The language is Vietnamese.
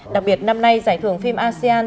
đặc biệt năm nay giải thưởng phim asean